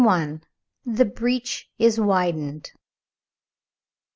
THE BREACH IS WIDENED.